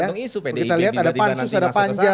tergantung isu kita lihat ada pan sus ada pan j